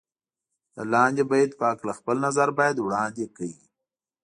د لاندې بیت په هکله خپل نظر باید وړاندې کړئ.